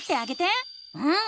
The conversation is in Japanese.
うん！